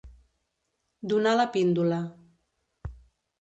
Donar la píndola.